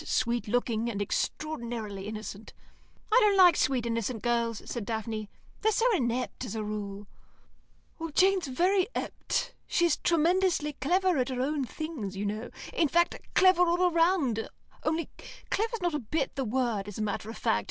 Sweet looking, and extraordinarily innocent." "I don't like sweet innocent girls," said Daphne. "They're so inept, as a rule." "Well, Jane's very ept. She's tremendously clever at her own things, you know; in fact, clever all round, only clever's not a bit the word as a matter of fact.